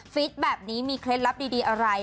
ฟิตแบบนี้มีเคล็ดลับดีอะไร